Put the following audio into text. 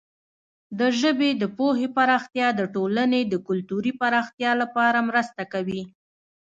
د ژبې د پوهې پراختیا د ټولنې د کلتوري پراختیا لپاره مرسته کوي.